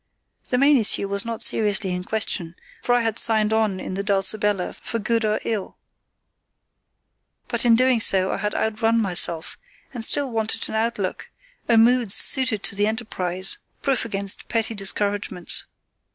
The main issue was not seriously in question, for I had signed on in the Dulcibella for good or ill; but in doing so I had outrun myself, and still wanted an outlook, a mood suited to the enterprise, proof against petty discouragements.